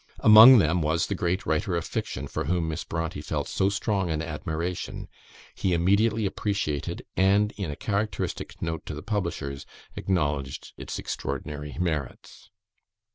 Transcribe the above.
Among them was the great writer of fiction for whom Miss Brontë felt so strong an admiration; he immediately appreciated, and, in a characteristic note to the publishers, acknowledged its extraordinary merits.